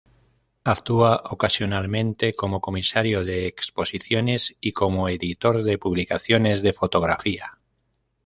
Actúa ocasionalmente como comisario de exposiciones y como editor de publicaciones de fotografía.